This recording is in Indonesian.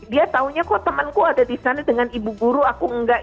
dia taunya kok temanku ada di sana dengan ibu guru aku enggak